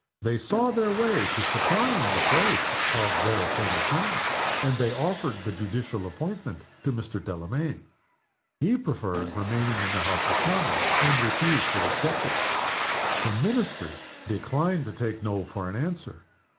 They saw their way to supplying the place of their Attorney General, and they offered the judicial appointment to Mr. Delamayn. He preferred remaining in the House of Commons, and refused to accept it. The Ministry declined to take No for an answer.